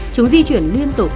chúng di chuyển liên tục